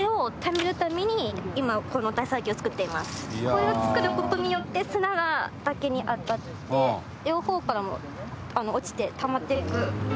これを作る事によって砂が竹に当たって両方からも落ちてたまっていく。